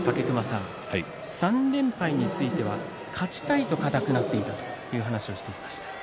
３連敗については勝ちたいと硬くなっていたという話をしていました。